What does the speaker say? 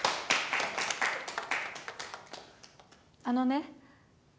あのね。